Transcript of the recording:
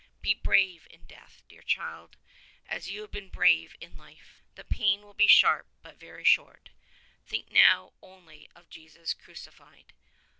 "Be brave in death, dear child, as you have been brave in life. The pain will be sharp, but very short. Think now only of Jesus Crucified.